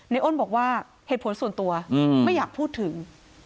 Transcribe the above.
อ้นบอกว่าเหตุผลส่วนตัวไม่อยากพูดถึง